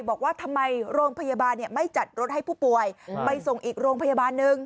บอกว่าทำไมโรงพยาบาลไม่จัดรถให้ผู้ป่วยไปส่งอีกโรงพยาบาลหนึ่ง